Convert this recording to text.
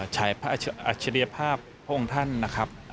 ฉายพระอัจฉริยภาพพระองค์ท่านนะครับ